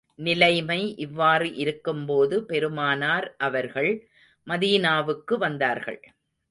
நிலைமை இவ்வாறு இருக்கும் போது, பெருமானார் அவர்கள் மதீனாவுக்கு வந்தார்கள்.